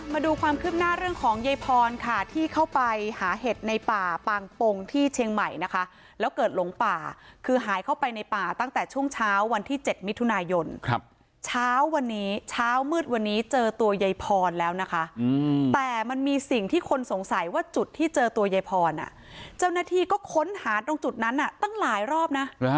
มาดูความคืบหน้าเรื่องของยายพรค่ะที่เข้าไปหาเห็ดในป่าปางปงที่เชียงใหม่นะคะแล้วเกิดหลงป่าคือหายเข้าไปในป่าตั้งแต่ช่วงเช้าวันที่๗มิถุนายนเช้าวันนี้เช้ามืดวันนี้เจอตัวยายพรแล้วนะคะแต่มันมีสิ่งที่คนสงสัยว่าจุดที่เจอตัวยายพรเจ้าหน้าที่ก็ค้นหาตรงจุดนั้นตั้งหลายรอบนะ